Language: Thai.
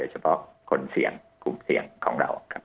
เฉพาะคนเสี่ยงกลุ่มเสี่ยงของเราครับ